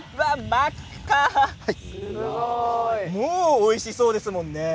真っ赤もうおいしそうですもんね。